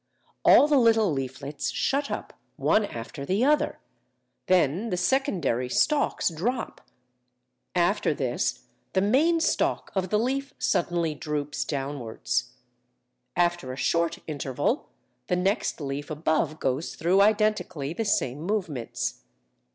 All the little leaflets shut up one after the other; then the secondary stalks drop; after this the main stalk of the leaf suddenly droops downwards. After a short interval, the next leaf above goes through identically the same movements.